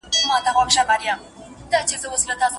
ځان به ولي د ښکاری و تور ته ورکړي